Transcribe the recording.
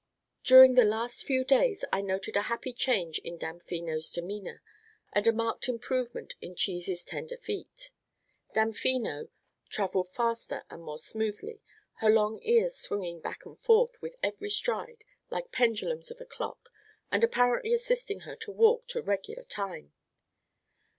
During the last few days, I noted a happy change in Damfino's demeanor, and a marked improvement in Cheese's tender feet. Damfino traveled faster and more smoothly, her long ears swinging back and forth with every stride like pendulums of a clock and apparently assisting her to walk to regular time.